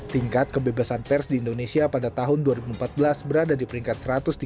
tingkat kebebasan pers di indonesia pada tahun dua ribu empat belas berada di peringkat satu ratus tiga puluh